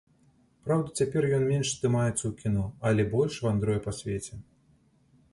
Праўда, цяпер ён менш здымаецца ў кіно, але больш вандруе па свеце.